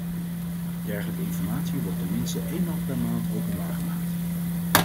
Dergelijke informatie wordt ten minste eenmaal per maand openbaar gemaakt.